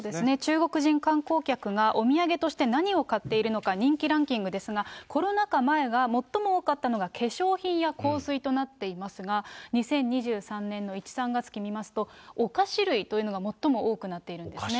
中国人観光客がお土産として何を買っているのか、人気ランキングですが、コロナ禍前は最も多かったのが、化粧品や香水となっていますが、２０２３年の１・３月期見ますと、お菓子類というのが最も多くなっているんですね。